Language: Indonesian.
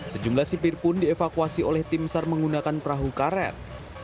sejumlah sipir pun dievakuasi oleh tim sar menggunakan perahu karet